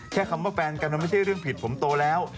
คำว่าแฟนกันมันไม่ใช่เรื่องผิดผมโตแล้ว